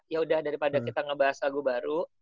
yaudah daripada kita ngebahas lagu baru